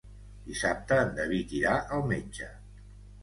Dissabte en David irà al metge.